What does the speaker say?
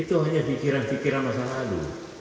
itu hanya pikiran pikiran masa lalu